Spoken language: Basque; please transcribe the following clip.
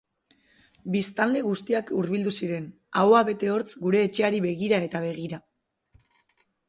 Biztanle guztiak hurbildu ziren, ahoa bete hortz gure etxeari begira eta begira.